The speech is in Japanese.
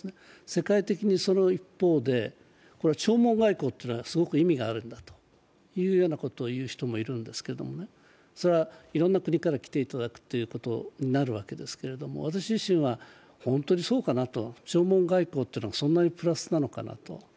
世界的にその一方で、これは弔問外交というのはすごく意味があるんだというようなことを言う人もいるんですけどね、いろんな国から来ていただくことになるわけですけれども、私自身は本当にそうかなと、弔問外交というのはそんなにプラスなのかなと。